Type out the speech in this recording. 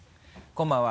こんばんは。